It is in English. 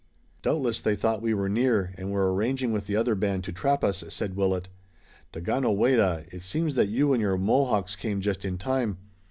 "Doubtless they thought we were near, and were arranging with the other band to trap us," said Willet. "Daganoweda, it seems that you and your Mohawks came just in time.